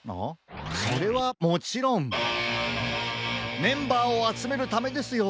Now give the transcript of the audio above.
それはもちろんメンバーをあつめるためですよ。